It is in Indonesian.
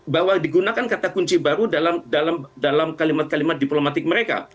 bahwa digunakan kata kunci baru dalam kalimat kalimat diplomatik mereka